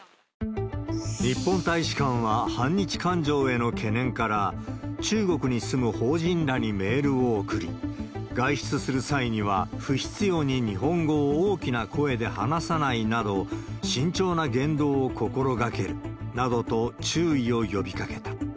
日本大使館は反日感情への懸念から、中国に住む邦人らにメールを送り、外出する際には不必要に日本語を大きな声で話さないなど、慎重な言動を心がけるなどと注意を呼びかけた。